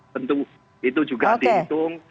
tentu itu juga dihitung